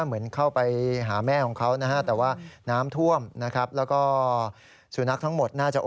เหมือนเข้าไปหาแม่ของเขานะฮะ